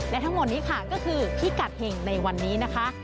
และทั้งหมดนี้ค่ะก็คือพิกัดเห็งในวันนี้นะคะ